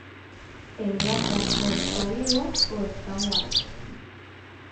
El gato o está vivo o está muerto.